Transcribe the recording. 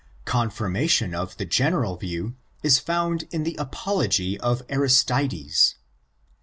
Confirmation of the general view is found in the Apology of Aristides.